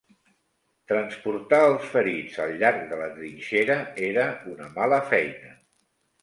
Transportar els ferits al llarg de la trinxera era una mala feina.